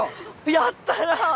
やったな！